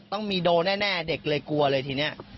ต้องมีโดนแน่เด็กเลยกลัวเลยทีนี้